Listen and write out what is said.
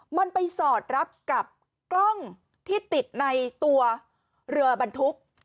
มันไปสอดรับกับกล้องที่ติดในตัวเรือบรรทุก